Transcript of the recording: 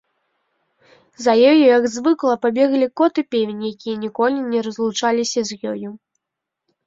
За ёю, як звыкла, пабеглі кот і певень, якія ніколі не разлучаліся з ёю.